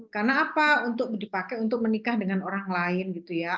karena apa untuk dipakai untuk menikah dengan orang lain gitu ya